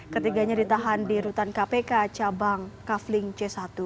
ketiganya ditahan di rutan kpk cabang kafling c satu